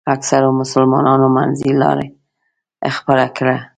اکثرو مسلمانانو منځنۍ لاره خپله کړه.